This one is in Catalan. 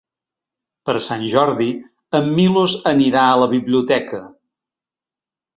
Per Sant Jordi en Milos anirà a la biblioteca.